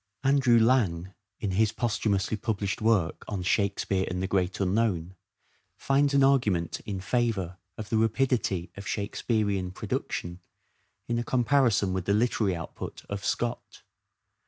Andrew Lang, in his posthumously published work DC Vere a on "Shakespeare and the Great Unknown," finds Precisionist. an argument in favour of the rapidity of Shake spearean production in a comparison with the literary output of Scott.